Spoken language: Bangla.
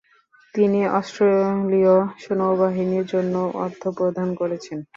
তিনি অস্ট্রেলীয় নৌবাহিনীর জন্যও অর্থ প্রদান করেছেন।